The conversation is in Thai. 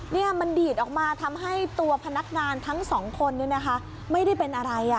นี่มันดีดออกมาทำให้ตัวพนักงานทั้งสองคนเนี่ยนะคะไม่ได้เป็นอะไร